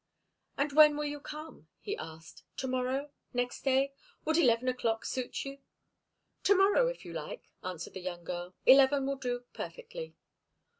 "And when will you come?" he asked. "To morrow? Next day? Would eleven o'clock suit you?" "To morrow, if you like," answered the young girl. "Eleven will do perfectly."